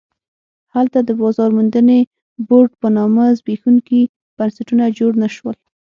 هلته د بازار موندنې بورډ په نامه زبېښونکي بنسټونه جوړ نه شول.